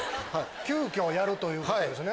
急きょやるということですね。